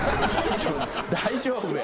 大丈夫や。